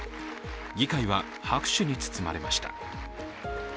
議会は拍手に包まれました。